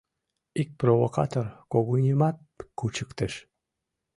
Ик провокатор когыньнамат кучыктыш.